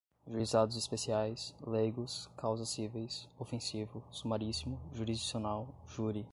juizados especiais, leigos, causas cíveis, ofensivo, sumaríssimo, jurisdicional, júri